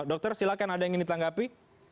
dokter silakan ada yang ingin ditanggapi